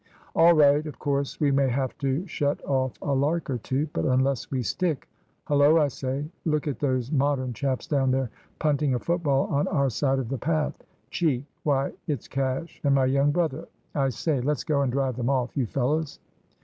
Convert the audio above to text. "All right of course we may have to shut off a lark or two, but unless we stick Hullo, I say, look at those Modern chaps down there punting a football on our side of the path! Cheek! Why, it's Cash and my young brother. I say, let's go and drive them off, you fellows."